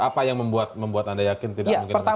apa yang membuat anda yakin tidak mungkin akan seperti itu